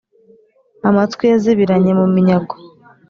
amatwi yazibiranye mu minyago,